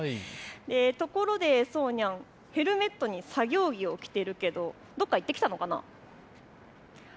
ところでそうにゃん、ヘルメットに作業着を着ているけれどもどこかへ行ってきたのかな？